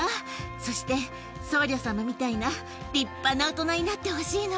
そして、僧侶様みたいな立派な大人になってほしいの。